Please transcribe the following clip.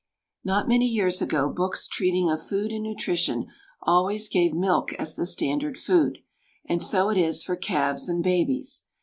Not many years ago books treating of food and nutrition always gave milk as the standard food, and so it is for calves and babies.